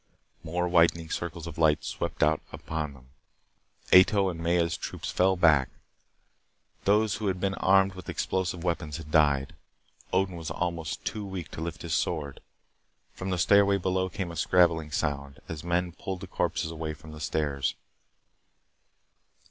More widening circles of light swept out upon them. Ato's and Maya's troops fell back. Those who had been armed with explosive weapons had died. Odin was almost too weak to lift his sword. From the stairway below came a scrabbling sound, as men pulled the corpses away from the stairs.